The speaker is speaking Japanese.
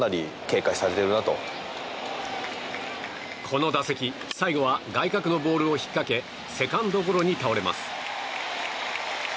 この打席、最後は外角のボールを引っ掛けセカンドゴロに倒れます。